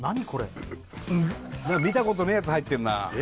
見たことねえやつ入ってんな